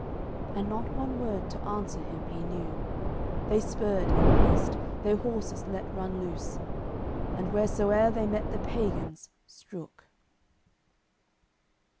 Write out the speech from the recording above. And not one word to answer him he knew; They spurred in haste, their horses let run loose, And, wheresoeer they met the pagans, strook.